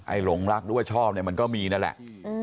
ไอ้หลงรักรู้ว่าชอบมันก็มีนั่นแหละ